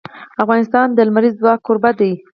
افغانستان د لمریز ځواک کوربه دی.